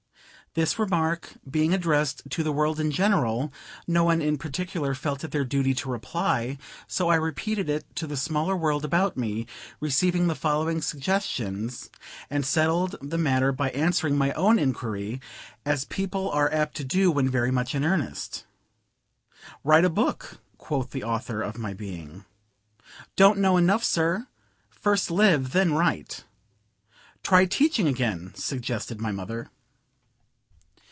This remark being addressed to the world in general, no one in particular felt it their duty to reply; so I repeated it to the smaller world about me, received the following suggestions, and settled the matter by answering my own inquiry, as people are apt to do when very much in earnest. "Write a book," quoth the author of my being. "Don't know enough, sir. First live, then write." "Try teaching again," suggested my mother.